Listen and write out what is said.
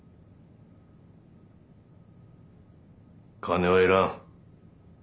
金はいらん。